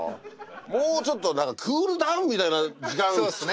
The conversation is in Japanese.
もうちょっと何かクールダウンみたいな時間作れよ。